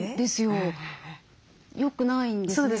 よくないんですね。